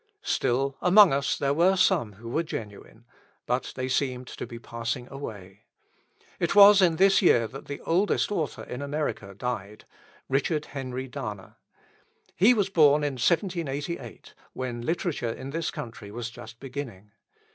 Still, among us there were some who were genuine, but they seemed to be passing away. It was in this year that the oldest author in America died, Richard Henry Dana. He was born in 1788, when literature in this country was just beginning.